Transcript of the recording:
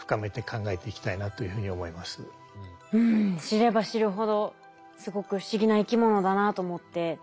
知れば知るほどすごくフシギな生き物だなと思って。